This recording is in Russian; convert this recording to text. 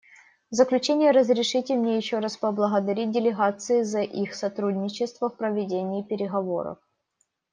В заключение разрешите мне еще раз поблагодарить делегации за их сотрудничество в проведении переговоров.